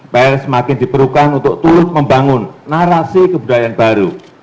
pers makin diperlukan untuk terus membangun narasi kebudayaan baru